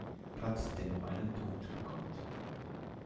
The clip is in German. Platz, der noch einen Punkt bekommt.